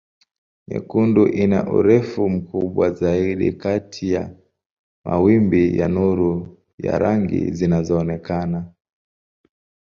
Nyekundu ina urefu mkubwa zaidi kati ya mawimbi ya nuru ya rangi zinazoonekana.